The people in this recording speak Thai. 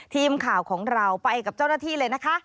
ทีมข่าวของเราไปกับเจ้าหน้าที่เลยนะคะ